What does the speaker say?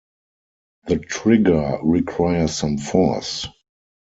The trigger requires some force.